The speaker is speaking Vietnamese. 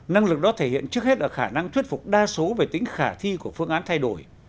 năng lực đó thể hiện trước hết ở khả năng thuyết phục đa số về tính khả thi của phương án thay đổi